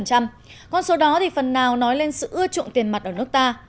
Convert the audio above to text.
con số đó thì phần nào nói lên sự ưa chuộng tiền mặt ở nước ta